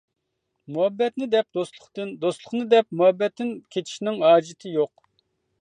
مۇھەببەتنى دەپ دوستلۇقتىن، دوستلۇقنى دەپ مۇھەببەتتىن كېچىشنىڭ ھاجىتى يوق.